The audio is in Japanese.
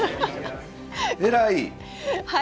偉い！